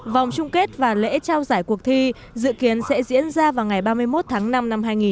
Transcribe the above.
vòng chung kết và lễ trao giải cuộc thi dự kiến sẽ diễn ra vào ngày ba mươi một tháng năm năm hai nghìn hai mươi